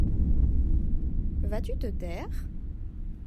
Vas-tu te taire ?